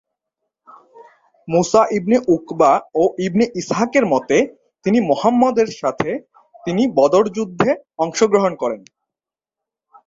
মুসা ibn Uqba ও ibn ইসহাকের মতে, তিনি মুহাম্মদ এর সাথে তিনি বদর যুদ্ধে অংশগ্রহণ করেন।